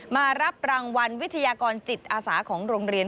มารับรางวัลวิทยากรจิตอาสาของโรงเรียน